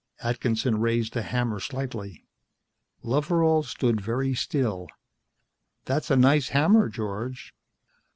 Atkinson raised the hammer slightly. Loveral stood very still. "That's a nice hammer, George."